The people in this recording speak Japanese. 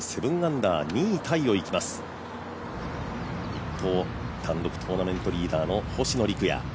一方、単独トーナメントリーダーの星野陸也。